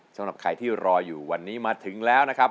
สำหรับใครที่รออยู่วันนี้มาถึงแล้วนะครับ